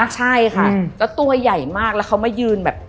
ใช่ค่ะแล้วตัวใหญ่มากแล้วเขามายืนแบบ